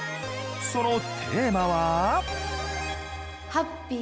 そのテーマは？